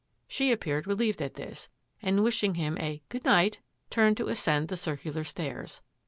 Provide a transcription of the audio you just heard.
She appeared relieved at this, and wishing him a " good night," turned to ascend the circular stairs.